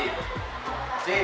pandral sumerang jakarta